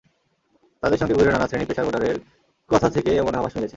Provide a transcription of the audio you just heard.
তাঁদের সঙ্গে ঘুরে নানা শ্রেণি-পেশার ভোটারের কথা থেকে এমন আভাস মিলেছে।